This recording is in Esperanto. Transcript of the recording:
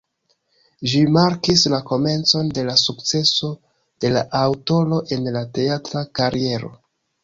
Ĝi markis la komencon de la sukceso de la aŭtoro en la teatra kariero.